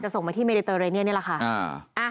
ส่งมาที่เมเดเตอร์เรเนียนนี่แหละค่ะ